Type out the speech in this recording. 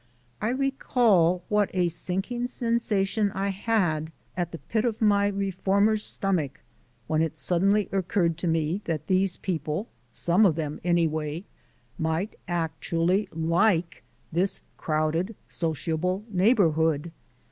I recall what a sinking sensation I had at the pit of my reformer's stomach when it suddenly occurred to me that these people some of them, anyway, might actually LIKE this crowded, sociable neighbourhood!